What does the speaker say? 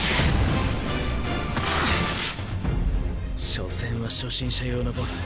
所詮は初心者用のボス。